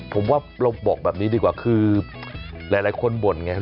ผมว่าเราบอกแบบนี้ดีกว่าคือหลายคนบ่นไง